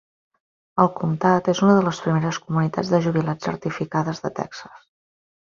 El comtat és una de les primeres comunitats de jubilats certificades de Texas.